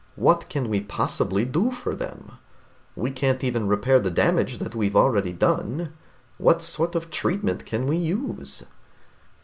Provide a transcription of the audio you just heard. "What can we possibly do for them? We can't even repair the damage that we've already done. What sort of treatment can we use?"